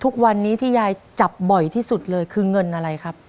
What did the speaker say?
ทุกวันนี้ที่ยายจับบ่อยที่สุดเลยคือเงินอะไรครับ